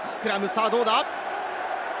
さぁ、どうだ？